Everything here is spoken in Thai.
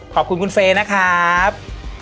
ขอบคุณคุณเฟย์นะครับ